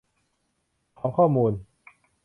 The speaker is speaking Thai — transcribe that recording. ของข้อมูล